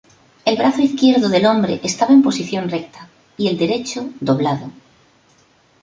El brazo izquierdo del hombre estaba en posición recta y el derecho doblado.